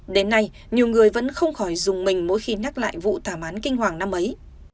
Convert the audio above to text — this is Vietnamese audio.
đến nay nhiều người vẫn không khỏi dùng mình mỗi khi nhắc lại vụ thảm án kinh hoàng năm ấy